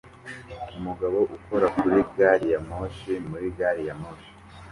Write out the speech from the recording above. Umugabo ukora kuri gari ya moshi muri gari ya moshi